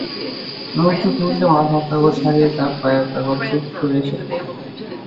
মুহূর্তে কোকিলটা মাথার মগজ হারিয়ে তার পায়ের কাছে ঝুপ করে এসে পড়ল।